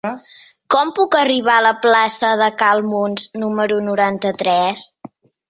Com puc arribar a la plaça de Cal Muns número noranta-tres?